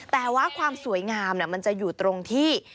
แต่ว่าความสวยงามมันจะอยู่ตรงที่